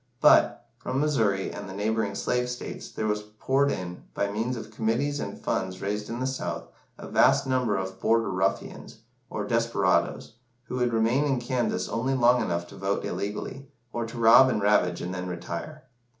But, from Missouri and the neighbouring slave states, there was poured in, by means of committees and funds raised in the South, a vast number of "Border ruffians," or desperadoes, who would remain in Kansas only long enough to vote illegally, or to rob and ravage, and then retire.